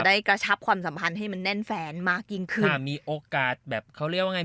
จะได้กระชับความสำหรับให้มันแน่นแฟนมากยิ่งขึ้นถ้ามีโอกาสแบบเขาเรียกว่าไง